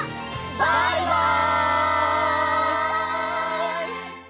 バイバイ！